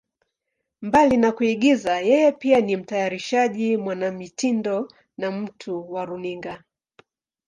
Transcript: Mbali na kuigiza, yeye pia ni mtayarishaji, mwanamitindo na mtu wa runinga.